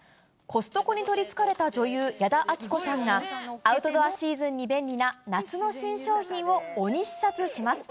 コストコに取りつかれた女優、矢田亜希子さんが、アウトドアシーズンに便利な夏の新商品を鬼視察します。